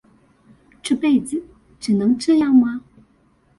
這輩子只能這樣嗎？